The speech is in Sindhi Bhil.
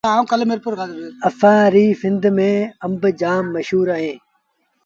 اسآݩ ريٚ سنڌ ميݩ آݩب جآم مشهور اوهيݩ